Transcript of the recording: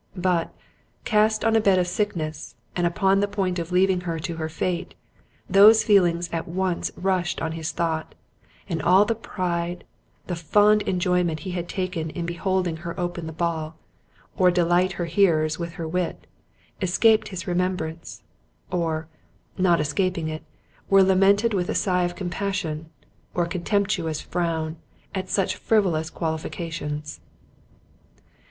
But, cast on a bed of sickness, and upon the point of leaving her to her fate, those failings at once rushed on his thought—and all the pride, the fond enjoyment he had taken in beholding her open the ball, or delight her hearers with her wit, escaped his remembrance; or, not escaping it, were lamented with a sigh of compassion, or a contemptuous frown, at such frivolous qualifications.